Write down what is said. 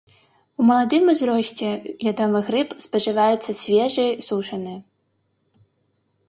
У маладым узросце ядомы грыб, спажываецца свежы, сушаны.